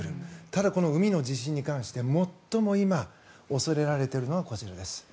ただ、この海の地震に関して最も今恐れられているのがこちらです。